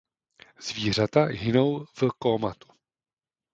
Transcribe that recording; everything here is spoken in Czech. Zvířata hynou v kómatu.